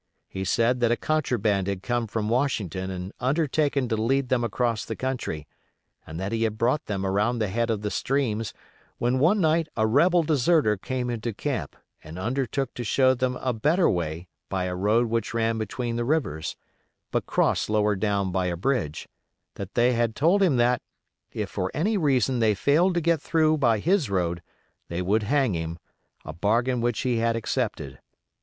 He said that a contraband had come from Washington and undertaken to lead them across the country, and that he had brought them around the head of the streams, when one night a rebel deserter came into camp and undertook to show them a better way by a road which ran between the rivers, but crossed lower down by a bridge; that they had told him that, if for any reason they failed to get through by his road they would hang him, a bargain which he had accepted.